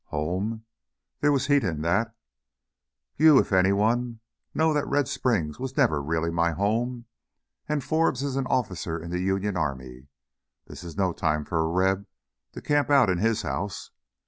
"Home?" There was heat in that. "You, if anyone, know that Red Springs was never really my home. And Forbes is an officer in the Union Army. This is no time for a Reb to camp out in his house.